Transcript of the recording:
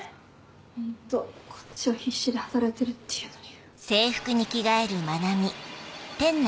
ホントこっちは必死で働いてるっていうのに。